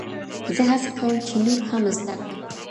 زه هڅه کوم چې نور هم زده کړم.